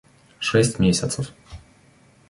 Шесть месяцев